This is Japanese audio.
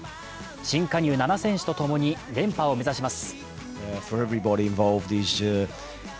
新加入７選手とともに連覇を目指します。